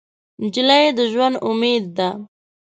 نجلۍ د ژونده امید ده.